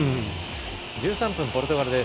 １３分ポルトガルです。